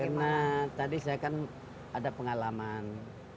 karena tadi saya kan ada pengalaman